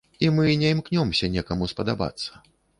І мы не імкнёмся некаму спадабацца.